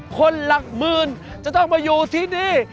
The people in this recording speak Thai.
หลักหมื่นจะต้องมาอยู่ที่นี่